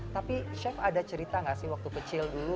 tapi chef ada cerita nggak sih waktu kecil dulu